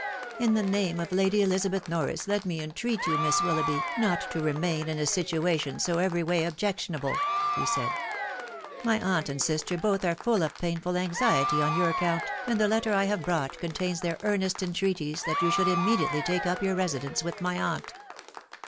" In the name of Lady Elizabeth Norm let me entreat you, Miss Willoughby, not to remain in a situation so every way objectionable," he said. " My aunt and sister both are full of painful anxiety on your account, and the letter I have brought contains their earnest entreaties that you should immediately take up your residence with my aunt.